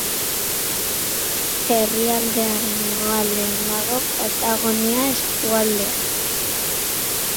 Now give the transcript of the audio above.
Herrialdearen hegoaldean dago, Patagonia eskualdean.